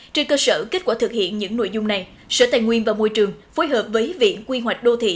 trên cơ sở kết quả thực hiện những nội dung này sở tài nguyên và môi trường phối hợp với viện quy hoạch đô thị